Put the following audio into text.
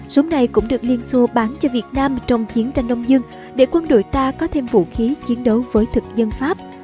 súng này cũng được liên xô bán cho việt nam trong chiến tranh đông dương để quân đội ta có thêm vũ khí chiến đấu với thực dân pháp